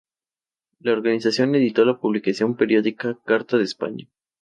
El organismo editó la publicación periódica "Carta de España".